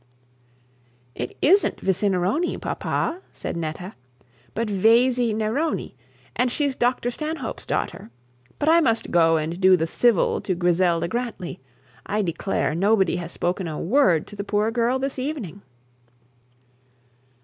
'It isn't Vicinironi, papa,' said Netta; 'but Vesey Neroni, and she's Dr Stanhope's daughter. But I must go and do the civil to Griselda Grantly; I declare nobody has spoken a word to the poor girl this evening.